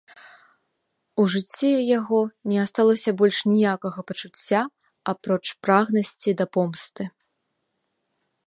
У жыцці яго не асталося больш ніякага пачуцця, апроч прагнасці да помсты.